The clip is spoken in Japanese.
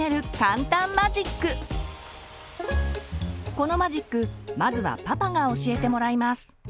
このマジックまずはパパが教えてもらいます。